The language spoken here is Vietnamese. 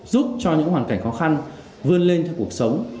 giúp cho những hoàn cảnh khó khăn vươn lên theo cuộc sống